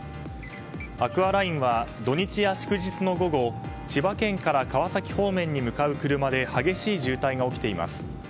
アクアラインは土日や祝日の午後千葉県から川崎方面に向かう車で激しい渋滞が起きています。